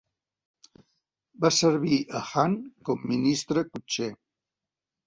Va servir a Han com Ministre Cotxer.